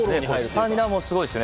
スタミナもすごいですね。